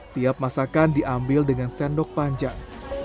tiap masakan diambil dengan sendok panjang